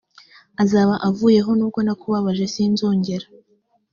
azaba avuyeho nubwo nakubabaje sinzongera